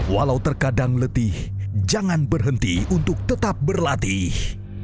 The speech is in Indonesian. walau terkadang letih jangan berhenti untuk tetap berlatih